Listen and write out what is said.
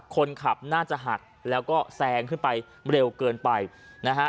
คนขับน่าจะหักแล้วก็แซงขึ้นไปเร็วเกินไปนะฮะ